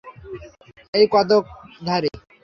এই কদক ধারি।